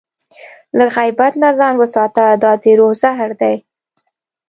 له غیبت نه ځان وساته، دا د روح زهر دی.